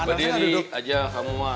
berdiri aja kamu mah